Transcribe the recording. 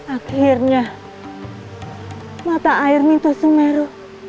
akhirnya mata air minta sumeru